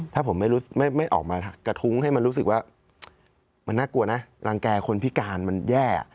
ถ้าผมไม่ออกมากระทุ้งให้มันรู้สึกว่ามันน่ากลัวนะรังแก่คนพิการมันแย่